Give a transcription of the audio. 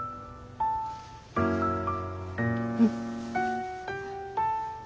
うん。